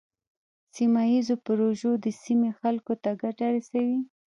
سیمه ایزې پروژې د سیمې خلکو ته ګټه رسوي.